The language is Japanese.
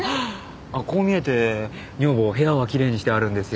こう見えて女房部屋は奇麗にしてあるんですよ。